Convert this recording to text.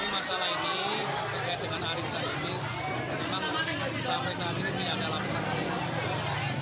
masalah ini terkait dengan arisan ini memang sampai saat ini tidak ada laporan